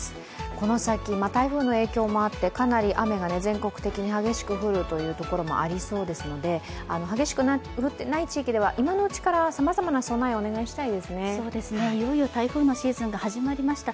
この先、台風の影響もあってかなり雨が全国的に激しく降るところもありそうですので、激しく降っていない地域では今のうちからさまざまな備えをいよいよ台風のシーズンが始まりました。